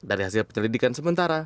dari hasil penyelidikan sementara